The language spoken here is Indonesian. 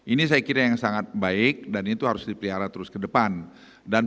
ini saya kira yang sangat baik dan itu harus dipelihara terus ke depan dan